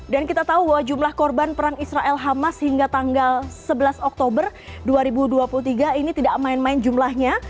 dan kita tahu bahwa jumlah korban perang israel hamas hingga tanggal sebelas oktober dua ribu dua puluh tiga ini tidak main main jumlahnya